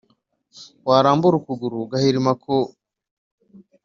Warambura ukuguru ugahirima ku